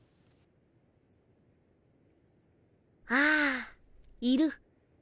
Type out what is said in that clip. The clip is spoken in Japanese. はあいる。